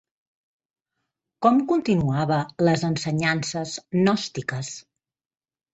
Com continuava les ensenyances gnòstiques?